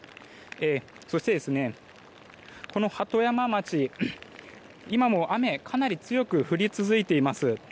そして、鳩山町は今も雨がかなり強く降り続いています。